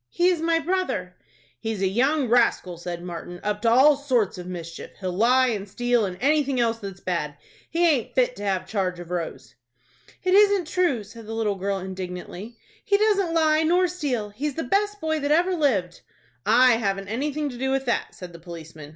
"He is my brother." "He's a young rascal," said Martin, "up to all sorts of mischief. He'll lie and steal, and anything else that's bad. He aint fit to have charge of Rose." "It isn't true," said the little girl, indignantly. "He doesn't lie nor steal. He's the best boy that ever lived." "I haven't anything to do with that," said the policeman.